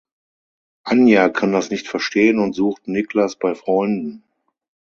Anja kann das nicht verstehen und sucht Niklas bei Freunden.